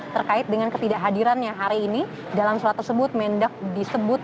terkait dengan ketidakhadiran yang hari ini dalam surat tersebut mendak disebut